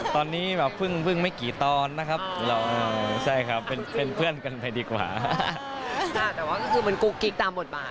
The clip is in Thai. ตอนนี้แบบพึ่งพึ่งไม่กี่ตอนนะครับอ๋อเออใช่ครับเป็นเพื่อนกันไปดีกว่า